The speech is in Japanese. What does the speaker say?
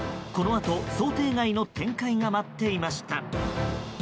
このあと、想定外の展開が待っていました。